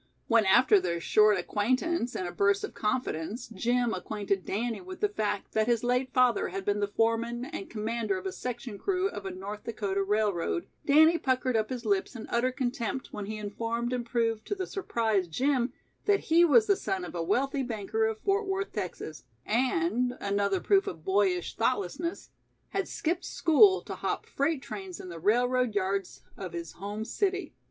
When after their short acquaintance in a burst of confidence Jim acquainted Danny with the fact that his late father had been the foreman and commander of a section crew of a North Dakota railroad, Danny puckered up his lips in utter contempt when he informed and proved to the surprised Jim that he was the son of a wealthy banker of Fort Worth, Texas, and another proof of boyish thoughtlessness had skipped school to hop freight trains in the railroad yards of his home city.